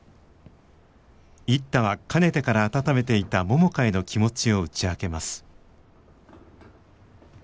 一太はかねてから温めていた百花への気持ちを打ち明けます。